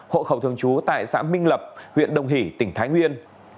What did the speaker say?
hộ khẩu thường trú tại xã minh lập huyện đồng hỷ tỉnh thái nguyên